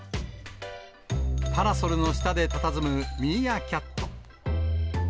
パラソルの下でたたずむミーアキャット。